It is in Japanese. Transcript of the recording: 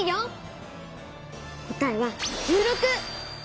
答えは１６！